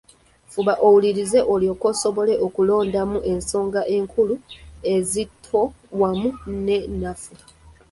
Fuba owulirize olyoke osobole okulondobamu ensonga enkulu, enzito wamu n'ennafu.